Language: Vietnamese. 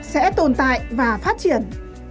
sẽ tồn tại và phát triển